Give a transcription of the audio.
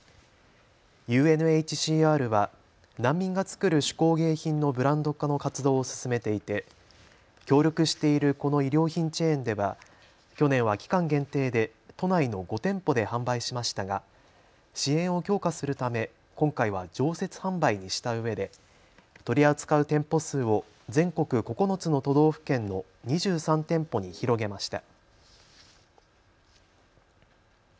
ＵＮＨＣＲは難民が作る手工芸品のブランド化の活動を進めていて協力しているこの衣料品チェーンでは去年は期間限定で都内の５店舗で販売しましたが支援を強化するため今回は常設販売にしたうえで取り扱う店舗数を全国９つの都道府県の２３店舗に広げました。